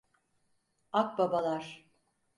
Akbabalar.